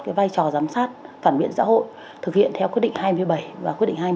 cái vai trò giám sát phản biện xã hội thực hiện theo quyết định hai mươi bảy và quyết định hai mươi